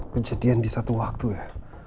kejadian di satu waktu ya